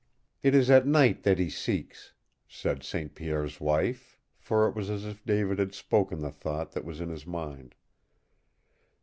"It is at night that he seeks," said St. Pierre's wife, for it was as if David had spoken the thought that was in his mind.